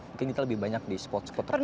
mungkin kita lebih banyak di spot spot tertentu